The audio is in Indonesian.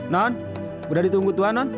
nan udah ditunggu tuhan nan